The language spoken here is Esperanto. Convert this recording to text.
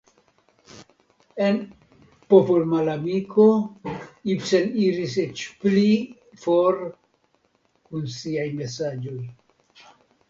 En "Popolmalamiko" Ibsen iris eĉ pli for kun siaj mesaĝoj.